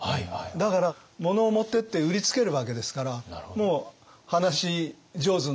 だから物を持ってって売りつけるわけですからもう話上手になるわけですよね。